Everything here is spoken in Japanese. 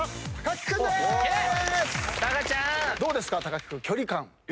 木君距離感。